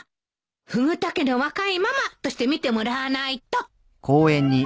フグ田家の若いママとして見てもらわないと